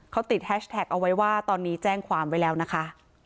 เขาติดแฮชแท็กเอาไว้ว่าตอนนี้แจ้งความไว้แล้วนะคะ